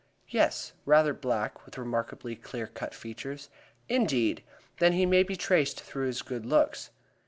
"Yes, rather black, with remarkably clear cut features." "Indeed! Then he may be traced through his good looks."